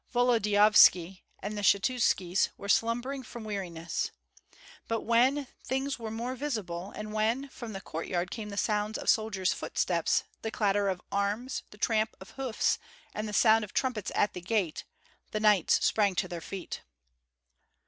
Volodyovski and the Skshetuskis were slumbering from weariness; but when things were more visible, and when from the courtyard came the sounds of soldiers' footsteps, the clatter of arms, the tramp of hoofs, and the sound of trumpets at the gate, the knights sprang to their feet.